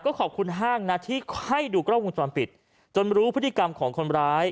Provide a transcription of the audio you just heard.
ขอบคุณห้างนะที่ให้ดูกล้องวงจรปิดจนรู้พฤติกรรมของคนร้าย